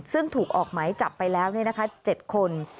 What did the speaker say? ซึ่งถูกออกไหมจับไปแล้วนี่นะคะ๗คน